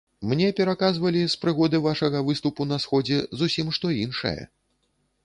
Мне пераказвалі, з прыгоды вашага выступу на сходзе, зусім што іншае.